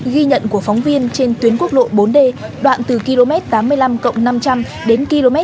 ghi nhận của phóng viên trên tuyến quốc lộ bốn d đoạn từ km tám mươi năm cộng năm trăm linh đến km tám mươi chín